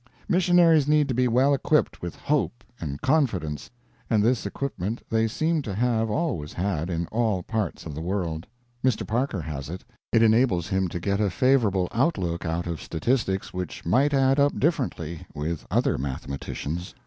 Missionaries need to be well equipped with hope and confidence, and this equipment they seem to have always had in all parts of the world. Mr. Parker has it. It enables him to get a favorable outlook out of statistics which might add up differently with other mathematicians.